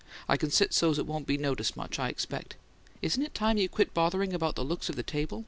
I can sit so's it won't be noticed much, I expect. Isn't it time you quit bothering about the looks of the table?